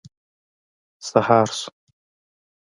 سهار شو.